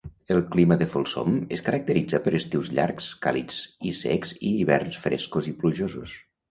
El clima de Folsom es caracteritza per estius llargs, càlids i secs i hiverns frescos i plujosos.